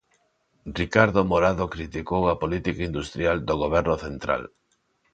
Ricardo Morado criticou a política industrial do goberno central.